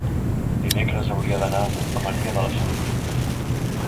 Dimecres hauria d'anar a Maria de la Salut.